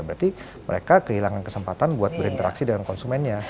berarti mereka kehilangan kesempatan buat berinteraksi dengan konsumennya